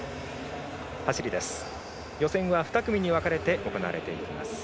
予選は２組に分かれて行われます。